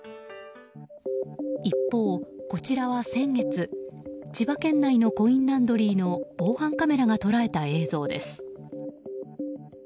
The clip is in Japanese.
一方、こちらは先月千葉県内のコインランドリーの防犯カメラが捉えた映像です。